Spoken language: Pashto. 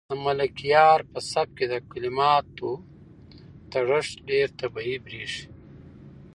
د ملکیار په سبک کې د کلماتو تړښت ډېر طبیعي برېښي.